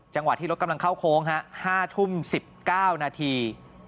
จังหวะที่รถกำลังเข้าโค้ง๕ทุ่ม๑๙นาที